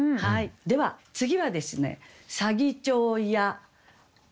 では次はですね。